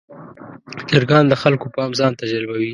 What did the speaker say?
چرګان د خلکو پام ځان ته جلبوي.